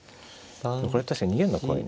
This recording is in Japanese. これ確かに逃げんのは怖いね。